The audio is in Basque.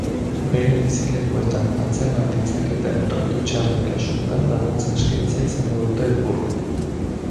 Beren bizilekuetan atzeman ditzaketen tratu txarren kasuetan laguntza eskaintzea izango dute helburu.